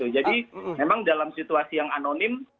jadi memang dalam situasi yang anonim